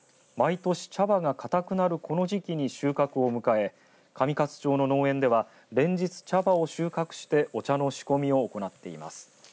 毎年茶葉が硬くなるこの時期に収穫を迎え上勝町の農園では連日、茶葉を収穫してお茶の仕込みを行っています。